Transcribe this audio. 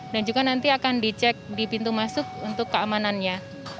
dan juga nanti akan dicek di pintu masuk untuk keamanannya